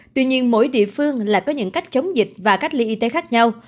tuy nhiên mỗi địa phương lại có những cách chống dịch và cách ly y tế khác nhau